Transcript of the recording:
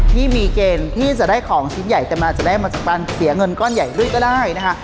ที่มีเกณฑ์ที่จะได้ของชิ้นใหญ่แต่มาจะได้มาจากการเสียเงินก้อนใหญ่ด้วยก็ได้นะคะ